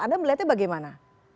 anda melihatnya bagaimana